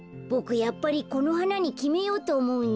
やっぱりこのはなにきめようとおもうんだ。